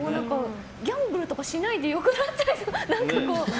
ギャンブルとかしないで良くなっちゃいそう。